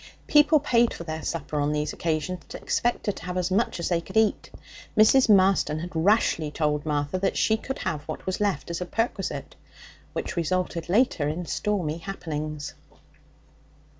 People paid for their supper on these occasions, and expected to have as much as they could eat. Mrs. Marston had rashly told Martha that she could have what was left as a perquisite, which resulted later in stormy happenings.